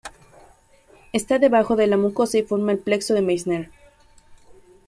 Está debajo de la mucosa y forma el plexo de Meissner.